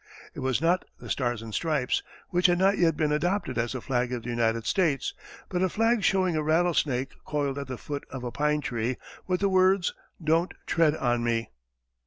It was not the Stars and Stripes, which had not yet been adopted as the flag of the United States, but a flag showing a rattlesnake coiled at the foot of a pine tree, with the words, "Don't tread on me."